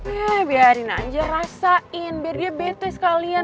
eh biarin aja rasain biar dia bete sekalian